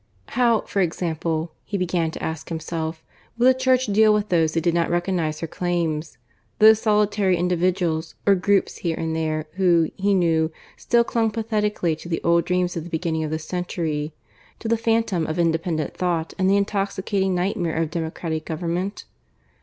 How, for example, he began to ask himself, would the Church deal with those who did not recognize her claims those solitary individuals or groups here and there who, he knew, still clung pathetically to the old dreams of the beginning of the century to the phantom of independent thought and the intoxicating nightmare of democratic government?